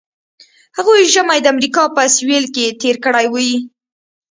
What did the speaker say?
هغوی ژمی د امریکا په سویل کې تیر کړی وي